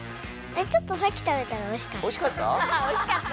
ちょっとさっき食べたらおいしかった。